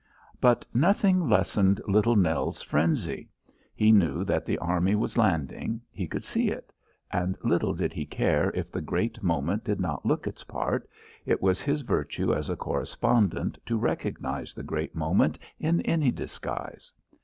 But nothing lessened Little Nell's frenzy. He knew that the army was landing he could see it; and little did he care if the great moment did not look its part it was his virtue as a correspondent to recognise the great moment in any disguise.